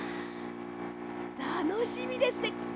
たのしみですね！